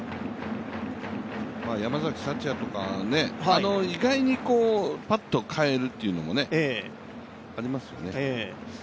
山崎福也とか、意外にぱっと代えるというのもありますよね。